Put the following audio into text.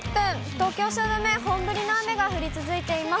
東京・汐留、本降りの雨が降り続いています。